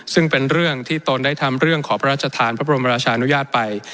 ซึ่งเป็นเรื่องที่ตนได้ทำเรื่องขอพระราชทานพระบรมราชานุญาตไป